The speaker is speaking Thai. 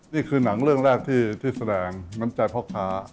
นี่คือหนังเรื่องแรกที่แสดงมันใจเพราะค้า